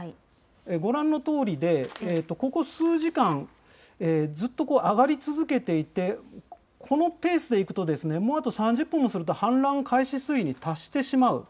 ご覧のとおりで、ここ数時間、ずっとこう、上がり続けていて、このペースでいくと、もうあと３０分もすると氾濫開始水位に達してしまう。